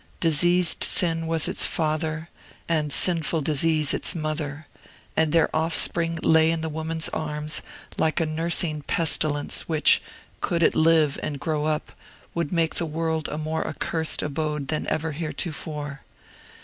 Diseased Sin was its father, and Sinful Disease its mother, and their offspring lay in the woman's arms like a nursing Pestilence, which, could it live and grow up, would make the world a more accursed abode than ever heretofore.